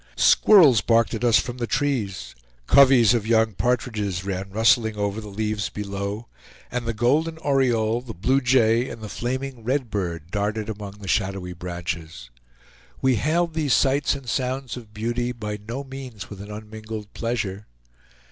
Squirrels barked at us from the trees; coveys of young partridges ran rustling over the leaves below, and the golden oriole, the blue jay, and the flaming red bird darted among the shadowy branches. We hailed these sights and sounds of beauty by no means with an unmingled pleasure.